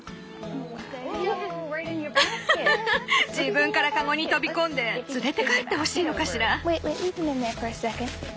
自分から籠に飛び込んで連れて帰ってほしいのかしら。